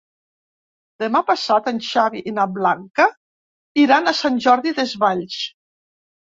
Demà passat en Xavi i na Blanca iran a Sant Jordi Desvalls.